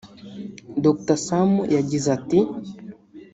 Dr Sam yagize ati